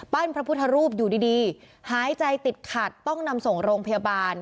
พระพุทธรูปอยู่ดีหายใจติดขัดต้องนำส่งโรงพยาบาล